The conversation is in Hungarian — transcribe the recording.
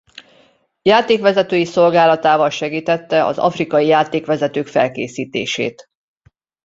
Játékvezetői szolgálatával segítette az afrikai játékvezetők felkészítését.